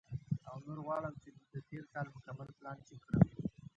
او نور غواړم چې د تېر کال مکمل پلان چیک کړم،